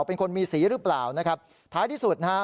เป็นคนมีสีหรือเปล่านะครับท้ายที่สุดนะฮะ